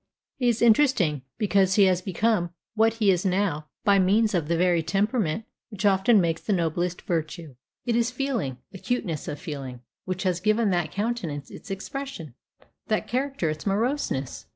He is interesting because he has become what he is now by means of the very temperament which often makes the noblest virtue. It is feeling, acuteness of feeling, which has given that countenance its expression, that character its moroseness.